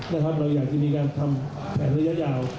เราอยากจะมีการทำแผนระยะยาว